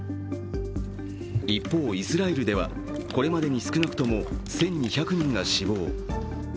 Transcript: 一方、イスラエルではこれまでに少なくとも１２００人が死亡。